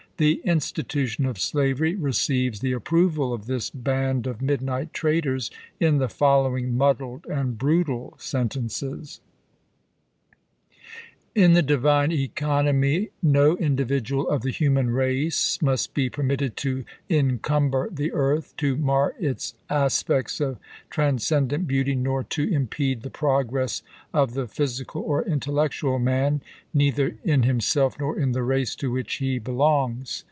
The oct!°87i8k institution of slavery receives the approval of this band of midnight traitors in the following muddled and brutal sentences :" In the divine economy no individual of the human race must be permitted to encumber the earth, to mar its aspects of transcen dent beauty, nor to impede the progi'ess of the phy sical or intellectual man, neither in himself nor in the race to which he belongs.